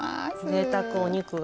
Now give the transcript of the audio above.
ぜいたくお肉が。